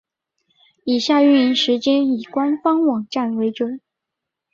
以下营运时间以官方网站为准。